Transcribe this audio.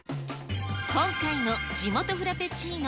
今回のジモトフラペチーノ。